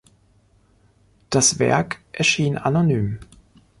Das Werk erschien anonym.